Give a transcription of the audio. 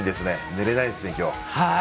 寝れないですね、今日。